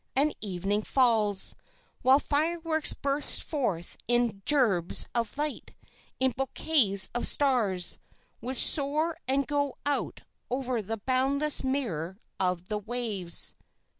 And evening falls, while fireworks burst forth in gerbes of light, in bouquets of stars, which soar and go out over the boundless mirror of the waves."